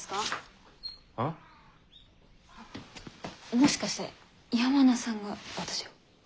もしかして山名さんが私を。